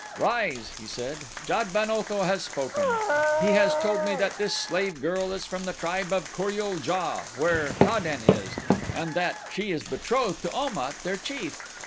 "Rise," he said. "Jad ben Otho has spoken. He has told me that this slave girl is from the tribe of Kor ul JA, where Ta den is, and that she is betrothed to Om at, their chief.